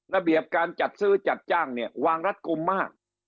ระเบียบการจัดซื้อจัดจ้างเนี่ยวางรัดกลุ่มมาก